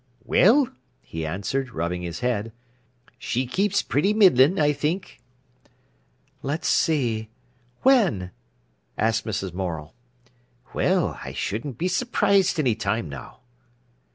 "Well," he answered, rubbing his head, "she keeps pretty middlin', I think." "Let's see—when?" asked Mrs. Morel. "Well, I shouldn't be surprised any time now."